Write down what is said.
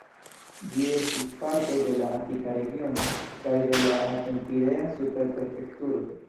Ĝi estis parto de la Atika regiono kaj de la Aten-Pirea super-prefekturo.